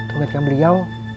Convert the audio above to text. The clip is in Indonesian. tuh ngerti kan beliau